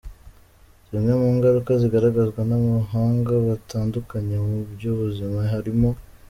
Zimwe mu ngaruka zigaragazwa n’abahanga batandukanye mu by’ubuzima harimo:.